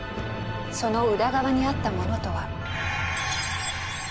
その裏側にあったものとは？